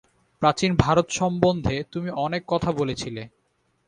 প্রাচীন ভারত সম্বন্ধে তুমি অনেক কথা বলেছিলে।